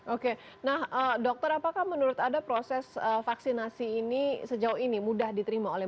oke nah dokter apakah menurut anda proses vaksinasi ini sejauh ini mudah diterima oleh